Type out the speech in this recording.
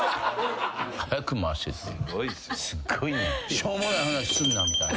しょうもない話すんなみたいな。